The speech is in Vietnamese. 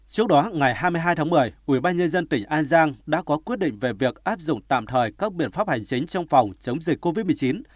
trước đó ngày hai mươi hai tháng một mươi ủy ban nhân dân tỉnh an giang đã có quyết định về việc áp dụng tạm thời các biện pháp hành chính trong phòng chống dịch covid một mươi chín